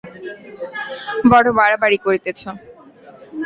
বড়ো বাড়াবাড়ি করিতেছ।